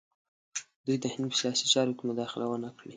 دوی د هند په سیاسي چارو کې مداخله ونه کړي.